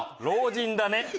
老人だね。